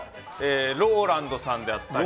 ＲＯＬＡＮＤさんであったりとか。